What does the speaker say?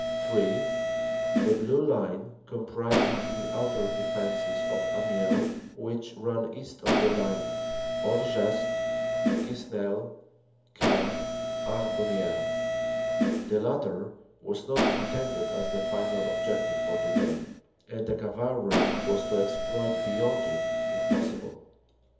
(3) The Blue Line, comprising the outer defenses of Amiens, which ran east of the line Hangest Ques nel Caix Harbonnieres. The latter was not intended as the final objective for the day, and the Cavalry was to exploit beyond it if possible.